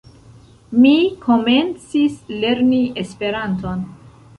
Mi komencis lerni Esperanton.